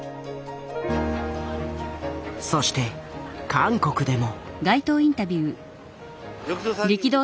そして韓国でも。